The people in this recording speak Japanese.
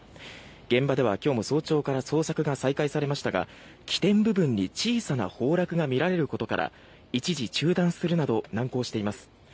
現場では今日も早朝から捜索が再開されましたが起点部分に小さな崩落が見られることから一時中断するなど難航しています。